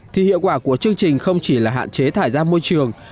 thì hiệu quả của chương trình không chỉ là hạn chế thải ra môi trường